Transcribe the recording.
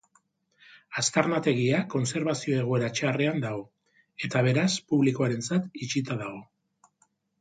Aztarnategia kontserbazio egoera txarrean dago, eta, beraz, publikoarentzako itxita dago.